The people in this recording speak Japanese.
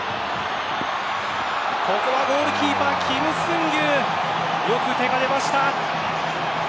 ここはゴールキーパーキム・スンギュよく手が出ました。